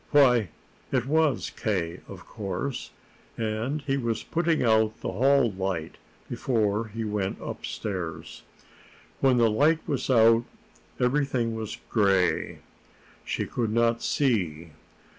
Why, it was K., of course; and he was putting out the hall light before he went upstairs. When the light was out everything was gray. She could not see.